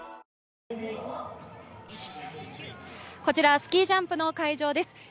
こちら、スキージャンプの会場です。